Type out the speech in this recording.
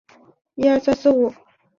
清朝品等为从一品。